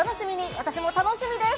私も楽しみです。